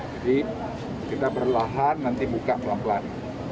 jadi kita perlahan nanti buka pelan pelan